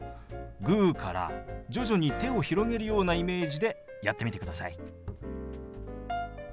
グーから徐々に手を広げるようなイメージでやってみてください。